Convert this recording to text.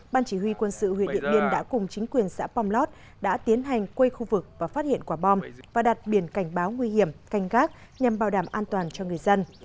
ban chỉ huy quân sự huyện điện biên đã cùng chính quyền xã pomlot đã tiến hành quây khu vực và phát hiện quả bom và đặt biển cảnh báo nguy hiểm canh gác nhằm bảo đảm an toàn cho người dân